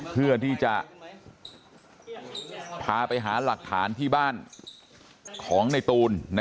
เพื่อที่จะพาไปหาหลักฐานที่บ้านของในตูน